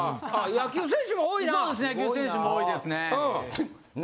野球選手も多いですね。